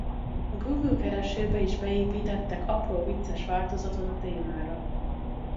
A Google keresőbe is beépítettek apró vicces változatot a témára.